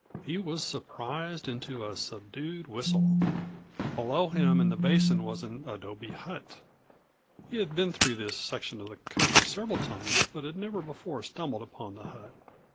He was surprised into a subdued whistle. Below him in the basin was an adobe hut. He had been through this section of the country several times but had never before stumbled upon the hut.